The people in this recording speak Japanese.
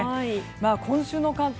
今週の関東